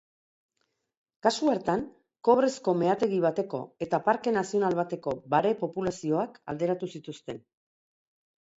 Kasu hartan, kobrezko meategi bateko eta parke nazional bateko bare-populazioak alderatu zituzten.